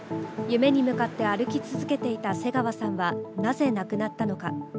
夢に向かって歩き続けていた瀬川さんはなぜ亡くなったのか。